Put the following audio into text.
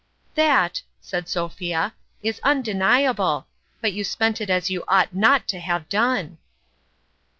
" That," said Sophia, " is undeniable ; but you spent it as you ought not to have done